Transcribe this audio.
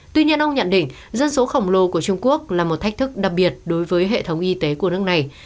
tuy nhiên ông nhận định dân số khổng lồ của trung quốc là một thách thức đặc biệt đối với hệ thống y tế của nước này